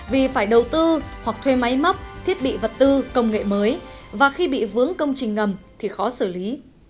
vì phải đầu tư hoặc thuê máy móc thiết bị vật tư công nghệ mới và khi bị vướng công trình ngầm thì khó xử lý